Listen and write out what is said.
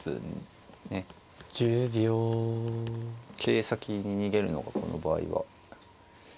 桂先に逃げるのかこの場合は。